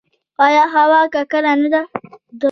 آیا هوا ککړه نه ده؟